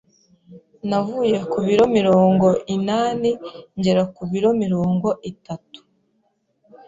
navuye ku biromirongo inani ngera ku biro mirongo itatu